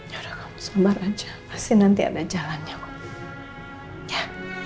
ya udah kamu sumbar aja pasti nanti ada jalannya kok